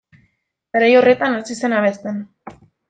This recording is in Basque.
Garai horretan hasi zen abesten.